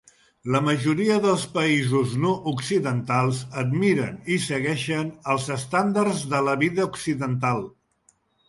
La majoria del països no occidentals admiren i segueixen els estàndards de la vida occidental.